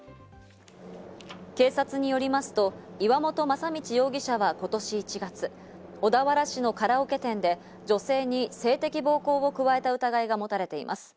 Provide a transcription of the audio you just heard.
警察によりますと岩本正道容疑者は今年１月、小田原市のカラオケ店で女性に性的暴行を加えた疑いが持たれています。